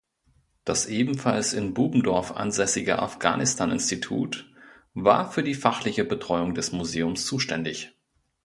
Das ebenfalls in Bubendorf ansässige Afghanistan-Institut war für die fachliche Betreuung des Museums zuständig.